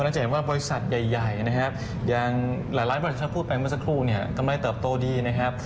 แต่ว่าบริษัทใหญ่อย่างหลายบริษัทพูดไปเมื่อสักครู่ทำได้เติบโตดีนะฮะ